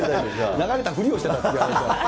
流れたふりをしてたっていう。